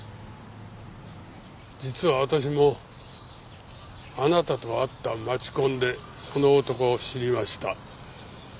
実は私もあなたと会った街コンでその男を知りました。